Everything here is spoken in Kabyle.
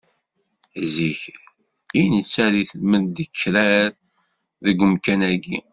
Zik, i nečča deg tmendekrar deg umkan-agi!